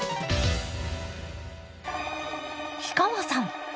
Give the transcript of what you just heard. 氷川さん